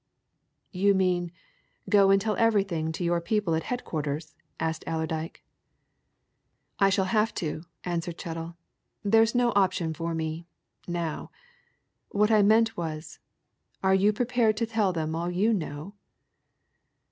"You mean go and tell everything to your people at headquarters?" asked Allerdyke. "I shall have to," answered Chettle. "There's no option for me now. What I meant was are you prepared to tell them all you know?"